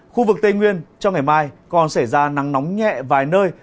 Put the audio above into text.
khu vực tây nguyên trong ngày mai còn xảy ra nắng nóng nhẹ vài nơi